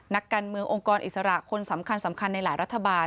นักการเมืององค์กรอิสระคนสำคัญสำคัญในหลายรัฐบาล